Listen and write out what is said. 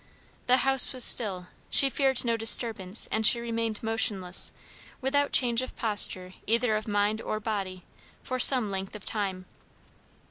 The house was still, she feared no disturbance; and she remained motionless, without change of posture either of mind or body, for some length of time.